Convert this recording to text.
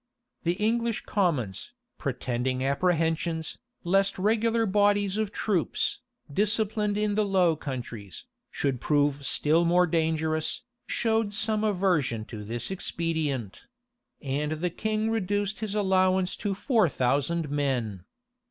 The English commons, pretending apprehensions, lest regular bodies of troops, disciplined in the Low Countries, should prove still more dangerous, showed some aversion to this expedient; and the king reduced his allowance to four thousand men.